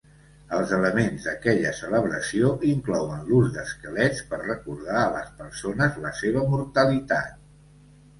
Els elements d'aquella celebració inclouen l'ús d'esquelets per recordar a les persones la seva mortalitat.